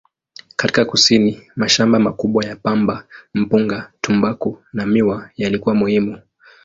Katika kusini, mashamba makubwa ya pamba, mpunga, tumbaku na miwa yalikuwa muhimu.